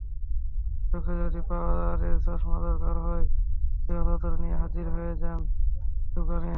চোখে যদি পাওয়ারের চশমা দরকার হয়, ব্যবস্থাপত্র নিয়ে হাজির হয়ে যান দোকানে।